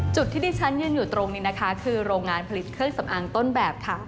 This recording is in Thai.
จุดที่ที่ฉันยืนอยู่ตรงนี้นะคะคือโรงงานผลิตเครื่องสำอางต้นแบบค่ะ